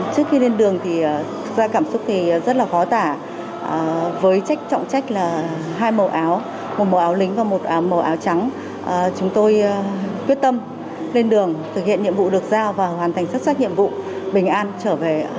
chúng tôi quyết tâm lên đường thực hiện nhiệm vụ được giao và hoàn thành sắc sắc nhiệm vụ bình an trở về